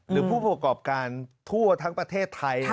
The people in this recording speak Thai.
หรือผู้ประกอบการทั่วทั้งประเทศไทย